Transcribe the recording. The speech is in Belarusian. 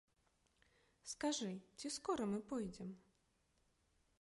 Скажы, ці скора мы пойдзем?